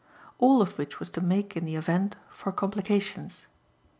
All of which was to make in the event for complications.